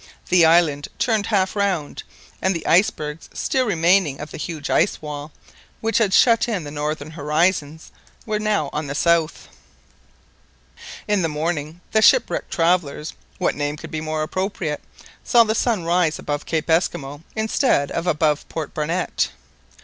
The island turned half round, and the icebergs still remaining of the huge ice wall, which had shut in the northern horizon, were now on the south. In the morning the shipwrecked travellers—what name could be more appropriate?—saw the sun rise above Cape Esquimaux instead of above Port Barnett.